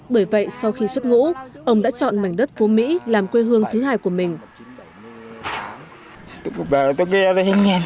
bởi vậy sau khi xuất ngũ ông đã chọn mảnh đất phú mỹ làm quê hương thứ hai của mình